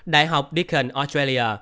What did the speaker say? đại học deakin australia